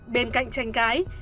bên cạnh tranh cái